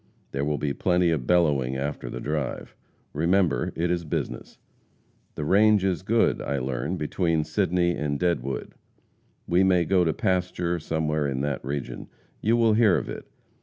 There will be plenty of bellowing after the drive. Remember, it is business. The range is good, I learn, between Sidney and Deadwood. We may go to pasture somewhere in that region. You will hear of it.